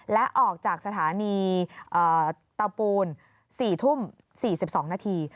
และออกจากสถานีเตาปูน๔ทุ่ม๔๒นาที